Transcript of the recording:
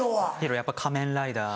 やっぱ『仮面ライダー』。